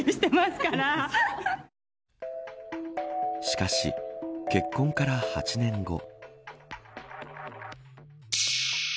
しかし結婚から８年後。